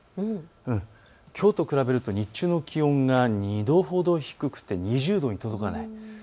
きょうと比べると日中の気温が２度ほど低くて２０度に届かない。